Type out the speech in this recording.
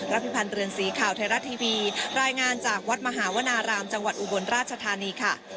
พิพันธ์เรือนสีข่าวไทยรัฐทีวีรายงานจากวัดมหาวนารามจังหวัดอุบลราชธานีค่ะ